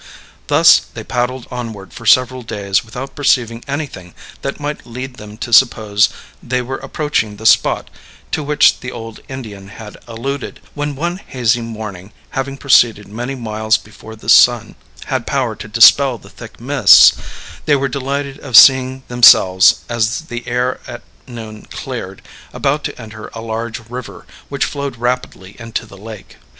Thus they paddled onward for several days without perceiving anything that might lead them to suppose they were approaching the spot to which the old Indian had alluded, when one hazy morning, having proceeded many miles before the sun had power to dispel the thick mists, they were delighted at seeing themselves, as the air at noon cleared, about to enter a large river, which flowed rapidly into the lake.